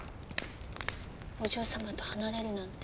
お嬢様と離れるなんて。